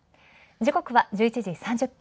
時刻は１１時３０分。